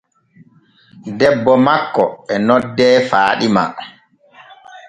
Debbo makko e noddee faaɗima.